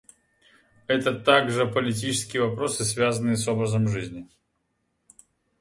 Это также политические вопросы, связанные с образом жизни.